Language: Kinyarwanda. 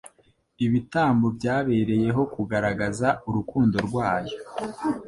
Ibitambo byabereyeho kugaragaza urukundo rwayo,